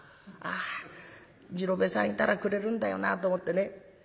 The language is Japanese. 『あ次郎兵衛さんいたらくれるんだよな』と思ってね